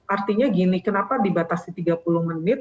artinya gini kenapa dibatasi tiga puluh menit